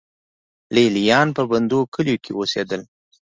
لې لیان په بندو کلیو کې اوسېدل